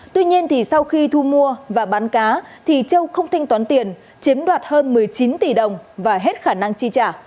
tuy nhiên sau khi thu mua và bán cá thì châu không thanh toán tiền chiếm đoạt hơn một mươi chín tỷ đồng và hết khả năng chi trả